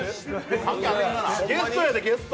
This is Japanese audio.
ゲストやでゲスト。